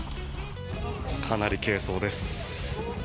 かなり軽装です。